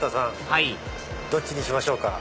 はいどっちにしましょうか？